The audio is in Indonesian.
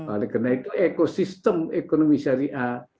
oleh karena itu ekosistem ekonomi syariah